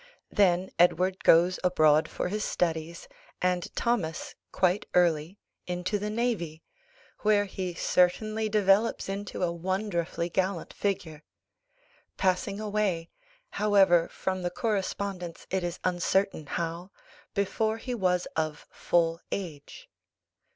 Then Edward goes abroad for his studies, and Thomas, quite early, into the navy, where he certainly develops into a wonderfully gallant figure; passing away, however, from the correspondence, it is uncertain how, before he was of full age.